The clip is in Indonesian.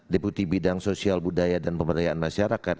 deputi bidang sosial budaya dan pemberdayaan masyarakat